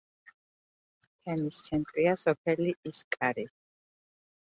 თემის ცენტრია სოფელი ისკარი.